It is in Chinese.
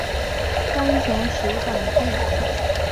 根田鼠等地。